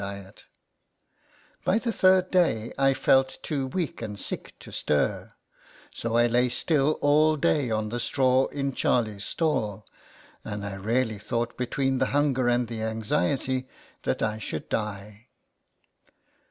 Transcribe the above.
49 diet By the third day I felt too weak and sick to stir : so I lay still all day on the straw in Charlie's stall ; and I really thought, between the hunger and the anxiety, that I should die.